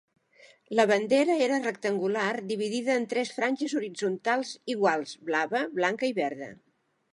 La bandera era rectangular dividida en tres franges horitzontals iguals: blava, blanca i verda.